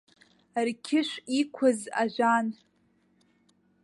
Рқьышә иқәкыз ажәан.